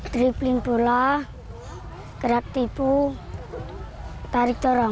tripling bola gerak tipu tarik dorong